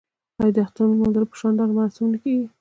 آیا د اخترونو لمانځل په شاندارو مراسمو نه کیږي؟